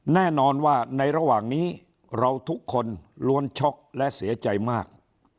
แน่นอนว่าในระหว่างนี้เราทุกคนล้วนช็อกและเสียใจมาก